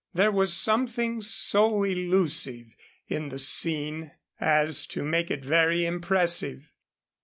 There was something so illusive in the scene 143 as to make it very impressive.